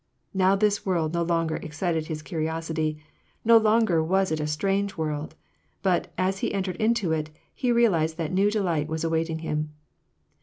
Now this world no longer excited his curiosity, no longer was it a strange world ; but, as he entered into it, he realized that new delight was awaiting him.